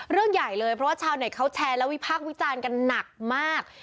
เรื่องใหญ่เลยเพราะว่าชาวเน็ตเขาแชร์และวิพากษ์วิจารณ์กันหนักมาก